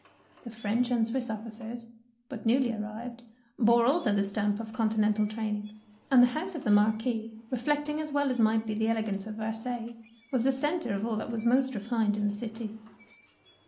The French and Swiss officers, but newly arrived, bore also the stamp of continental training ; and the house of the Marquis, reflecting as well as might be the elegance of Versailles, 159 DEEDS OF DARING was the centre of all that was most refined in the city.